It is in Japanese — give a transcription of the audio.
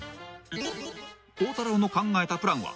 ［孝太郎の考えたプランは］